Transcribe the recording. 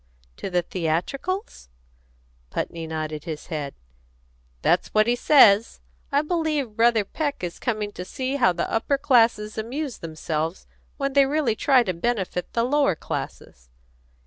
"To the theatricals?" Putney nodded his head. "That's what he says. I believe Brother Peck is coming to see how the upper classes amuse themselves when they really try to benefit the lower classes."